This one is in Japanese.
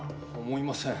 思いません。